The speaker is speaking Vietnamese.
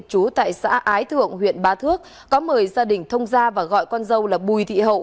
chú tại xã ái thượng huyện ba thước có mời gia đình thông gia và gọi con dâu là bùi thị hậu